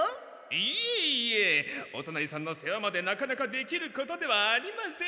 いえいえお隣さんの世話までなかなかできることではありません。